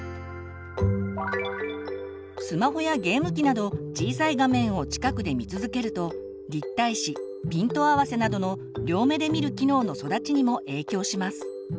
スマホやゲーム機など小さい画面を近くで見続けると立体視ピント合わせなどの両目で見る機能の育ちにも影響します。